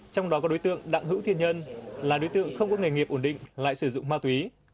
trong đó có đối tượng đặng hữu thiên nhân là đối tượng không có nghề nghiệp ổn định lại sử dụng ma túy